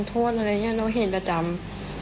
ด้วยกันนี่ว่ารองโทษอะไรหยังโรงแห่งประจำ